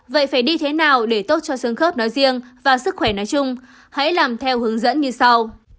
vậy phải đi thế nào để tốt cho xương khớp nói riêng và sức khỏe nói chung hãy làm theo hướng dẫn như sau